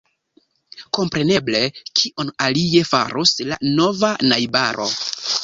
Kompreneble; kion alie farus la nova najbaro?